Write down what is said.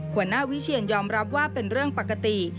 หัวหน้าวิเชียนยอมรับว่าเป็นเรื่องปกติ